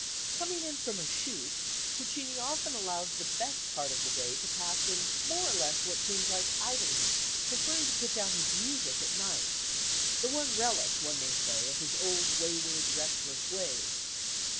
Coming in from a "shoot" Puccini often allows the best part of the day to pass in more or less what seems like idleness, preferring to put down his music at night the one relic, one may say, of his old wayward restless ways.